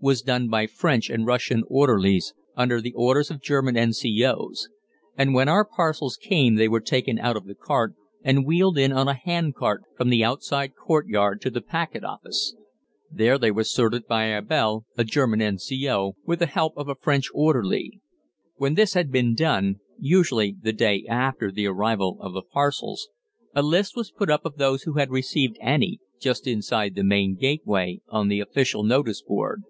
was done by French and Russian orderlies under the orders of German N.C.O.'s, and when our parcels came they were taken out of the cart and wheeled in on a hand cart from the outside courtyard to the packet office. There they were sorted by Abel, a German N.C.O., with the help of a French orderly. When this had been done, usually the day after the arrival of the parcels, a list was put up of those who had received any, just inside the main gateway, on the official notice board.